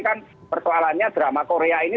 kan persoalannya drama korea ini